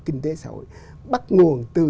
kinh tế xã hội bắt nguồn từ